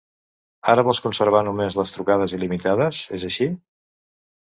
Ara vols conservar només les trucades il·limitades, és així?